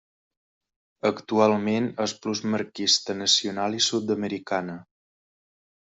Actualment és plusmarquista nacional i sud-americana.